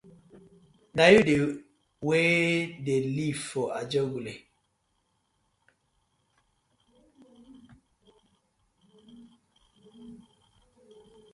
Na yu dey wey dey live for ajegunle.